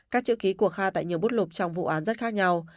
các chữ ký của khai tại nhiều bút lục trong vụ án rất khác nhau